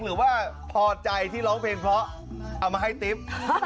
หรือว่าพอใจที่ร้องเพลงเพราะเอามาให้ติ๊บ